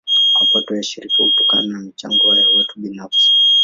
Mapato ya shirika hutokana na michango ya watu binafsi.